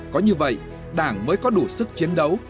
có như vậy đảng mới có đủ sức chiến đấu